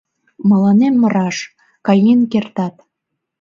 — Мыланем раш, каен кертат.